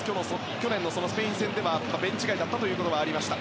去年のスペイン戦ではベンチ外だったということがありました。